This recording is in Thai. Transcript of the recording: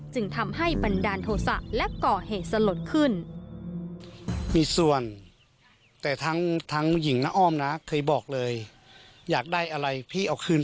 จึงทำให้บันดาลโทษะและก่อเหตุสลดขึ้น